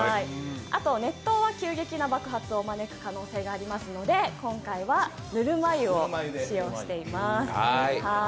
あと、熱湯は急激な爆発を招く可能性がありますので今回はぬるま湯を使用しています。